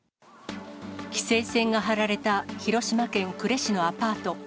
規制線が張られた広島県呉市のアパート。